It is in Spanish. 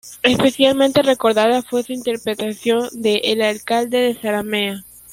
Especialmente recordada fue su interpretación de "El alcalde de Zalamea".